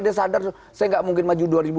dia sadar saya gak mungkin maju dua ribu dua puluh